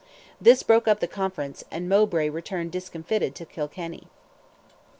This broke up the conference, and Mowbray returned discomfitted to Kilkenny.